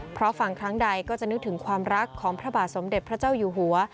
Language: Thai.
เพราะฟังครั้งใดก็จะนึกถึงความรักของพระบาทสมเด็จพระเจ้าอยู่หัว